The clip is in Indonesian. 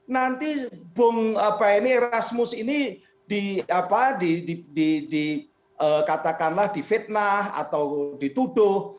nanti bang erasmus ini dikatakanlah di fitnah atau dituduh